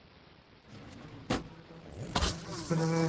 ওরা উল্কাপিন্ডটাতে অনেক দামী দামী জিনিস খুঁজে পেয়েছে।